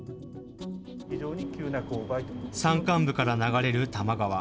山間部から流れる多摩川。